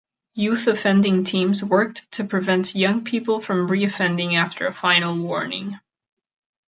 Youth Offending Teams worked to prevent young people from reoffending after a Final Warning.